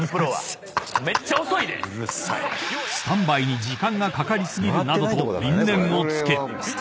［スタンバイに時間がかかり過ぎるなどと因縁をつけ］